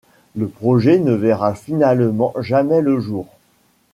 Le projet ne verra finalement jamais le jour.